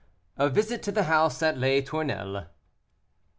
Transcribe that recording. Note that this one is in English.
A VISIT TO THE HOUSE AT LES TOURNELLES.